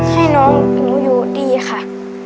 ให้น้องหนูอยู่ดีค่ะ